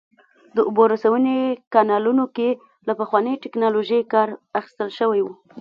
د اوبو رسونې کانالونو کې له پخوانۍ ټکنالوژۍ کار اخیستل شوی و